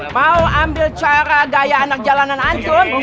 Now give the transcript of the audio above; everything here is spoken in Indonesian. mau ambil cara gaya anak jalanan ancur